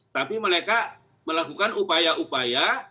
tapi mereka melakukan upaya upaya